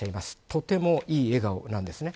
とてもいい笑顔なんですね。